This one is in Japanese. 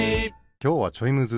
きょうはちょいむず。